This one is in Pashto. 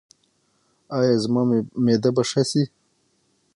ایا زما معده به ښه شي؟